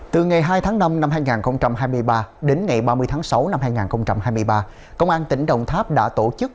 từ ngày hai tháng năm năm hai nghìn hai mươi ba đến ngày ba mươi tháng sáu năm hai nghìn hai mươi ba công an tỉnh đồng tháp đã tổ chức